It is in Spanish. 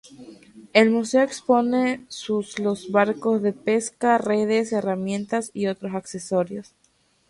El museo expone sus los barcos de pesca, redes, herramientas y otros accesorios.